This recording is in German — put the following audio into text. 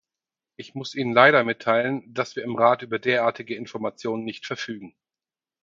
Ich muss Ihnen leider mitteilen, dass wir im Rat über derartige Informationen nicht verfügen.